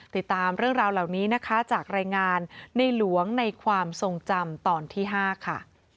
ติดตามเรื่องราวเหล่านี้นะคะจากรายงานในหลวงในความทรงจำตอนที่๕ค่ะ